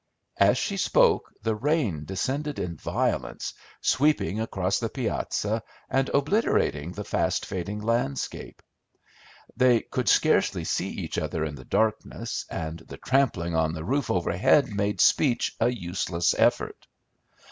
As she spoke, the rain descended in violence, sweeping across the piazza, and obliterating the fast fading landscape. They could scarcely see each other in the darkness, and the trampling on the roof overhead made speech a useless effort.